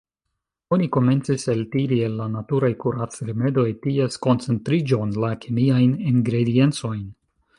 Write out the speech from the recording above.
Oni komencis eltiri el la naturaj kurac-rimedoj ties koncentriĝon, la kemiajn ingrediencojn.